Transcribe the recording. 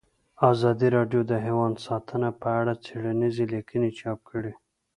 ازادي راډیو د حیوان ساتنه په اړه څېړنیزې لیکنې چاپ کړي.